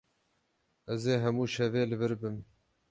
Ez ê hemû şevê li vir bim.